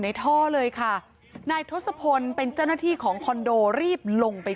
ท่อเลยค่ะนายทศพลเป็นเจ้าหน้าที่ของคอนโดรีบลงไป